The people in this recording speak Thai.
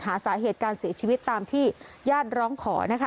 หาสาเหตุการเสียชีวิตตามที่ญาติร้องขอนะคะ